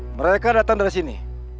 mereka datang dari sini